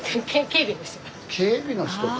警備の人か。